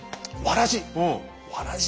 わらじ！